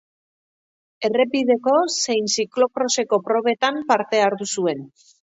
Errepideko zein ziklo-kroseko probetan parte hartu zuen.